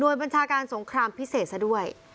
โดยบัญชาการสงครามพิเศษซะด้วย